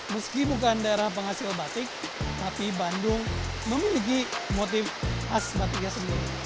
meski bukan daerah penghasil batik tapi bandung memiliki motif khas batiknya sendiri